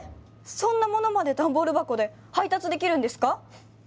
そんな物までダンボール箱で配達できるんですか！？